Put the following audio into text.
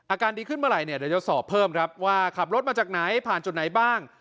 อาการดีขึ้นเมื่อไหร่เนี่ยเดี๋ยวจะสอบเพิ่มครับว่าขับรถมาจากไหนผ่านจุดไหนบ้าง